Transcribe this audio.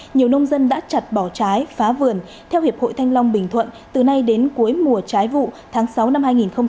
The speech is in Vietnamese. nhiều nông dân đã chặt bỏ trái phá vườn theo hiệp hội thanh long bình thuận từ nay đến cuối mùa trái vụ tháng sáu năm hai nghìn hai mươi